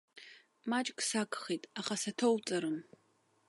Маҷк сагхеит, аха саҭоуҵарым!